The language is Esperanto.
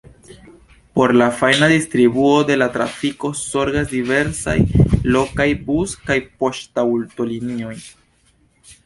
Por la fajna distribuo de la trafiko zorgas diversaj lokaj bus- kaj poŝtaŭtolinioj.